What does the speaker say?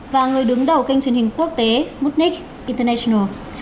và người đứng đầu kênh truyền hình quốc tế smutnik international